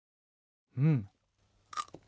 うん。